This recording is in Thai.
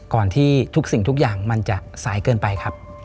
ที่ทุกสิ่งทุกอย่างมันจะสายเกินไปครับ